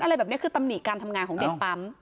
อะไรแบบนี้คือตำหนิการทำงานของเด็กปั๊ม